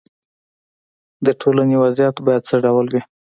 د ټولنې وضعیت باید څه ډول وي.